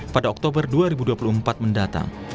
pada oktober dua ribu dua puluh empat mendatang